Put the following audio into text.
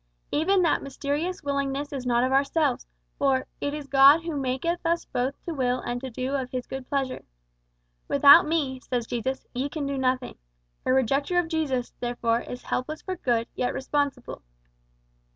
Even that mysterious willingness is not of ourselves, for `it is God who maketh us both to will and to do of His good pleasure.' `Without me,' says Jesus, `ye can do nothing.' A rejecter of Jesus, therefore, is helpless for good, yet responsible."